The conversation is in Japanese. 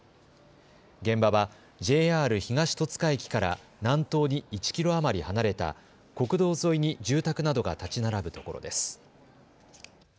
現場はＪＲ東戸塚駅から南東に１キロ余り離れた国道沿いに住宅などが建ち並ぶところです。